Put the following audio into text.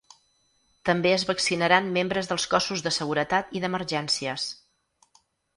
També es vaccinaran membres dels cossos de seguretat i d’emergències.